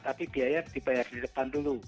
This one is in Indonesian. tapi biaya dibayar di depan dulu